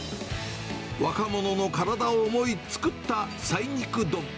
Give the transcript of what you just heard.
若者の体を思い作った菜肉丼。